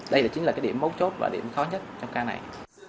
đây là chính là cái điểm mấu chốt và điểm khó nhất trong ca này